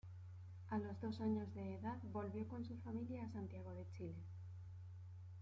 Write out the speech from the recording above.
A los dos años de edad, volvió con su familia a Santiago de Chile.